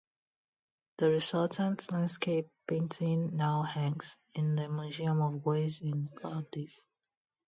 The resultant landscape painting now hangs in the Museum of Wales in Cardiff.